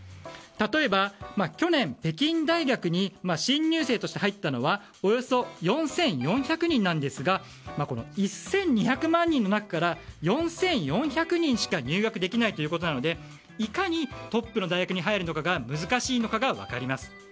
例えば去年、北京大学に新入生として入ったのはおよそ４４００人なんですが１２００万人の中から４４００人しか入学できないということなのでいかにトップの大学に入るのが難しいのかが分かります。